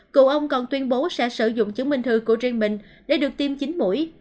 cựu ông còn tuyên bố sẽ sử dụng chứng minh thư của riêng mình để được tiêm chín mũi